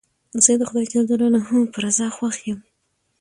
زه د خدای جل جلاله په رضا خوښ یم.